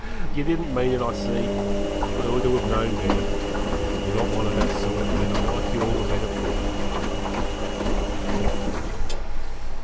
'You didn't mean it, I see. I ought to have known better. You're not one of that sort, and I like you all the better for it.'